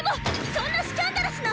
そんなスキャンダラスな！